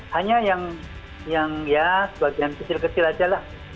hanya yang ya sebagian kecil kecil aja lah